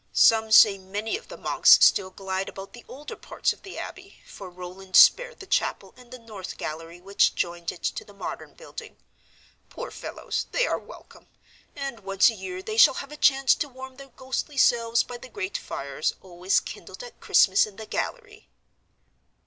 Some say many of the monks still glide about the older parts of the abbey, for Roland spared the chapel and the north gallery which joined it to the modern building. Poor fellows, they are welcome, and once a year they shall have a chance to warm their ghostly selves by the great fires always kindled at Christmas in the gallery."